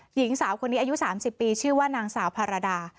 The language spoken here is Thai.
หญิงสาวคนนี้อายุ๓๐ปีชื่อว่านางสาวพารดา